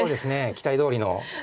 期待どおりの。